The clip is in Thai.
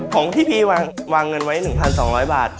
ของที่พี่วางเงินไว้๑๒๐๐บาท